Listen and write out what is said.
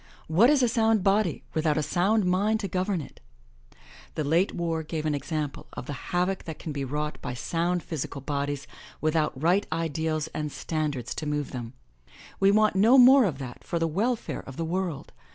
What is a sound body without a sound mind to govern it? The late war gave an example of the havoc that can be wrought by sound physical bodies without right ideals and standards to move 210 THE LATCH KEY them. We want no more of that for the welfare of the world.